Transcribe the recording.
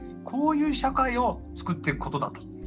こういう社会を作っていくことだと。